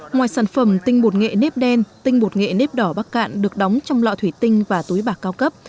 ngoài sản phẩm tinh bột nghệ nếp đen tinh bột nghệ nếp đỏ bắc cạn được đóng trong lọ thủy tinh và túi bạc cao cấp